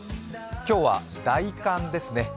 今日は大寒ですね。